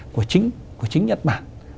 của chính nhật bản